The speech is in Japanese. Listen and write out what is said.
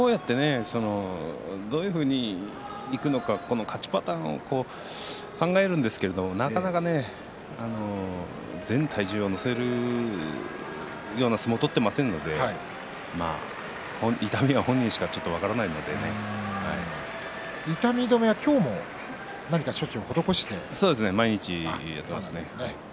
どういうふうにいくのか勝ちパターンを考えるんですけれど、なかなか全体重を乗せるような相撲を取っていませんので痛み止めは今日も毎日やっていますね。